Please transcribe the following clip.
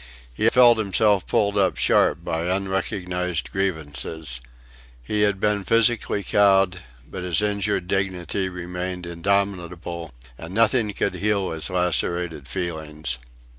He felt himself pulled up sharp by unrecognised grievances. He had been physically cowed, but his injured dignity remained indomitable, and nothing could heal his lacerated feelings.